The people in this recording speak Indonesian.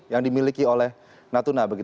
yang dimiliki oleh natuna